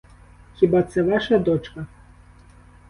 Хіба це ваша дочка?